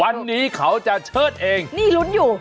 วันนี้เขาจะเชิดเองนี่ลุ้นอยู่